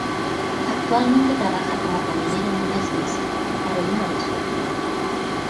Actualmente trabaja como camionero en Westminster, Carolina del Sur.